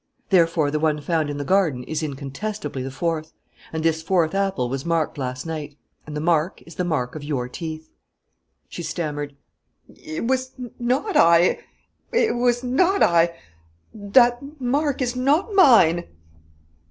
Therefore the one found in the garden is incontestably the fourth; and this fourth apple was marked last night. And the mark is the mark of your teeth." She stammered: "It was not I ... it was not I ... that mark is not mine."